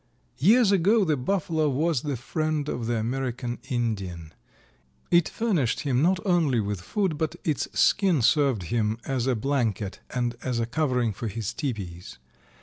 Years ago the Buffalo was the friend of the American Indian. It furnished him not only with food but its skin served him as a blanket and as a covering for his tepees.